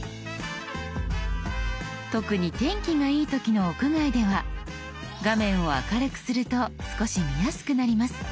特に天気がいい時の屋外では画面を明るくすると少し見やすくなります。